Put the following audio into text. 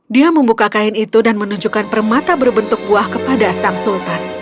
dia membuka kain itu dan menunjukkan permata berbentuk buah kepada sang sultan